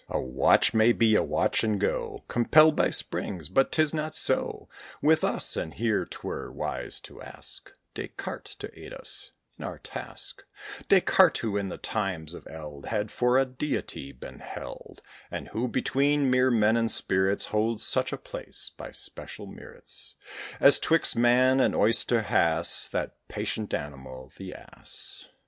A watch may be a watch, and go, Compelled by springs; but 'tis not so With us; and here 'twere wise to ask Descartes to aid us in our task, Descartes, who, in the times of eld, Had for a deity been held; And who, between mere men and spirits, Holds such a place, by special merits, As 'twixt man and oyster has That patient animal, the ass.